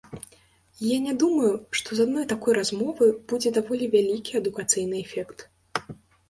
Я не думаю, што з адной такой размовы будзе даволі вялікі адукацыйны эфект.